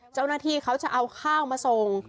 เจ้าหน้าที่เขาจะเอาข้าวมาส่ง